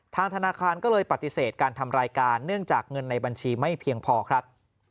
ธนาคารก็เลยปฏิเสธการทำรายการเนื่องจากเงินในบัญชีไม่เพียงพอครับ